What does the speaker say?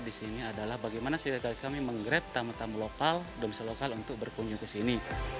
di sini adalah bagaimana cerita kami menggrab tamu tamu lokal domsa lokal untuk berkunjung ke sini